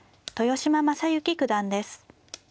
豊島将之九段です。